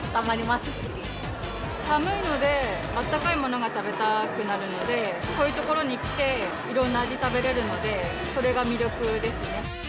寒いので、あったかいものが食べたくなるので、こういう所に来て、いろんな味食べれるので、それが魅力ですね。